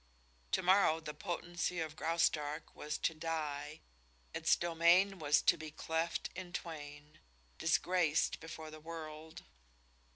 To morrow the potency of Graustark was to die, its domain was to be cleft in twain, disgraced before the world.